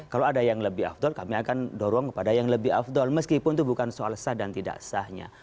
kalau ada yang lebih afdol kami akan dorong kepada yang lebih afdol meskipun itu bukan soal sah dan tidak sahnya